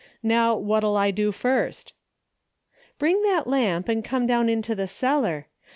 I^ow what'll I do first ?"" Bring that lamp and come down into the cellar.